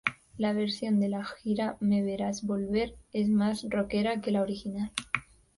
La versión de la Gira Me Verás Volver es más roquera que la original.